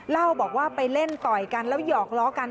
เล่าบอกว่าไปเล่นต่อยกันแล้วหยอกล้อกัน